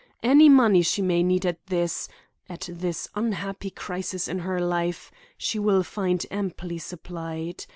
Any money she may need at this—at this unhappy crisis in her life, she will find amply supplied.